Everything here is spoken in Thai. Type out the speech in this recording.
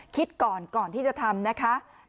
คิดก่อนก่อนที่จะทำนะคะ